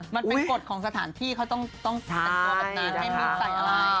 มันเป็นกฎของสถานที่เขาต้องแต่งตัวแบบนั้นไม่ใส่อะไร